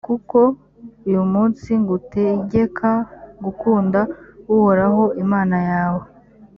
kuko uyu munsi ngutegeka gukunda uhoraho imana yawe,